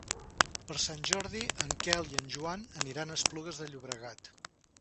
Per Sant Jordi en Quel i en Joan aniran a Esplugues de Llobregat.